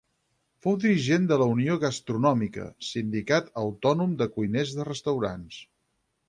Fou dirigent de la Unió Gastronòmica, sindicat autònom de cuiners de restaurants.